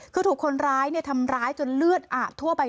คือถูกคนร้ายทำร้ายจนเลือดอาบทั่วไป